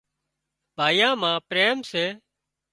ڀائيان مان پريم سي